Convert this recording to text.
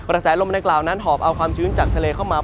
แสลมในกล่าวนั้นหอบเอาความชื้นจากทะเลเข้ามา